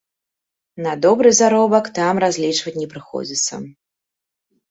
На добры заробак там разлічваць не прыходзіцца.